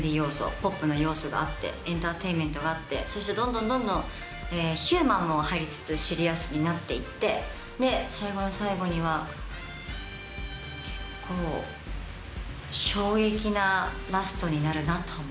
ポップな要素があってエンターテインメントがあってそしてどんどんどんどんヒューマンも入りつつシリアスになって行ってで最後の最後には結構衝撃なラストになるなと思います。